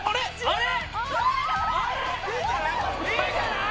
あれ？